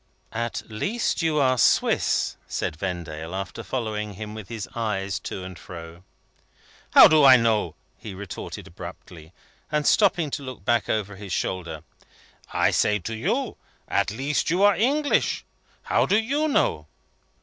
"At least you are Swiss," said Vendale, after following him with his eyes to and fro. "How do I know?" he retorted abruptly, and stopping to look back over his shoulder. "I say to you, at least you are English. How do you know?"